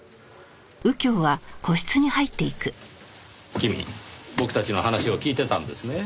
君僕たちの話を聞いてたんですね。